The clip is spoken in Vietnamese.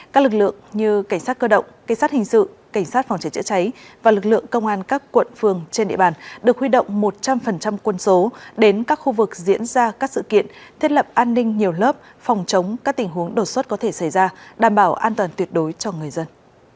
các lực lượng như cảnh sát cơ động cảnh sát hình sự cảnh sát phòng cháy chữa cháy và lực lượng công an các quận phường trên địa bàn được huy động một trăm linh quân số đến các khu vực diễn ra các sự kiện thiết lập an ninh nhiều lớp phòng chống các tình huống đột xuất có thể xảy ra đảm bảo an toàn tuyệt đối cho người dân